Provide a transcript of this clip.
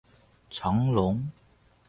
長榮